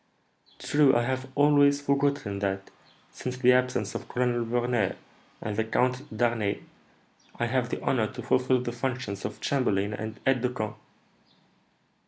"True. I have always forgotten that, since the absence of Colonel Verner and the Count d'Harneim, I have the honour to fulfil the functions of chamberlain and aide de camp."